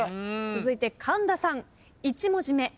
続いて神田さん。